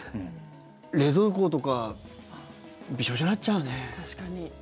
冷蔵庫とかびしょびしょになっちゃうね。